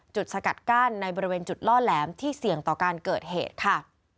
สกัดกั้นในบริเวณจุดล่อแหลมที่เสี่ยงต่อการเกิดเหตุค่ะ